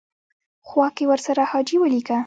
خوا کې ورسره حاجي ولیکه.